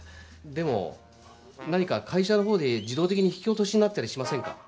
でも何か会社のほうで自動的に引き落としになってたりしませんか？